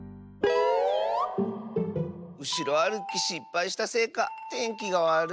うしろあるきしっぱいしたせいかてんきがわるいね。